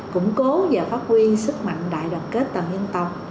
củng cố và phát huy sức mạnh đại đoàn kết toàn dân tộc